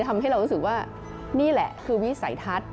ทำให้เรารู้สึกว่านี่แหละคือวิสัยทัศน์